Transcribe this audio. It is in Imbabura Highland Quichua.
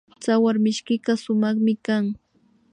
Tsawarmishkika sumakmi kan